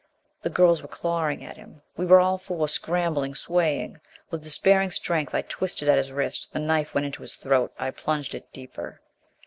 The girls were clawing at him; we were all four scrambling, swaying. With despairing strength I twisted at his wrist. The knife went into his throat. I plunged it deeper.